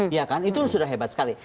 iya kan itu sudah hebat sekali